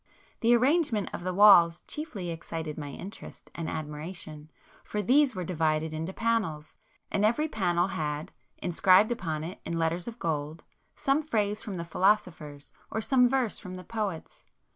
The arrangement of the walls chiefly excited my interest and admiration, for these were divided into panels, and every panel had, inscribed upon it in letters of gold, some phrase from the philosophers, or some verse from the poets.